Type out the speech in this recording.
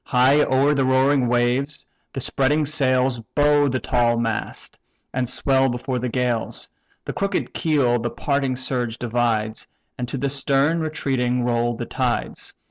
High o'er the roaring waves the spreading sails Bow the tall mast, and swell before the gales; The crooked keel the parting surge divides, And to the stern retreating roll the tides.